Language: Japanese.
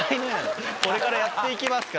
「これからやっていけますか？」。